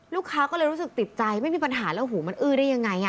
ลูกค้าก็เลยรู้สึกติดใจไม่มีปัญหาแล้วหูมันอื้อได้ยังไง